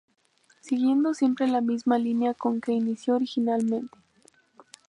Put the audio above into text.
Siguiendo siempre la misma línea con que inició originalmente.